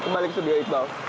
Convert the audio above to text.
kembali ke studio iqbal